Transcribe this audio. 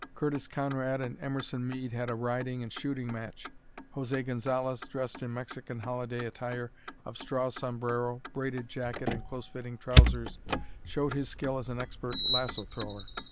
Curtis Conrad and Emerson Mead had a riding and shooting match. José Gonzalez, dressed in Mexican holiday attire of straw sombrero, braided jacket, and close fitting trousers, showed his skill as an expert lasso thrower.